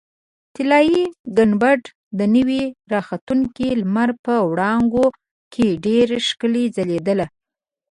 طلایي ګنبده د نوي راختونکي لمر په وړانګو کې ډېره ښکلې ځلېدله.